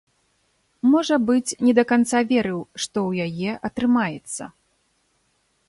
Можа быць, не да канца верыў, што ў яе атрымаецца.